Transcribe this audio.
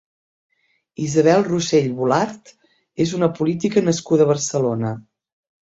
Isabel Rosell Volart és una política nascuda a Barcelona.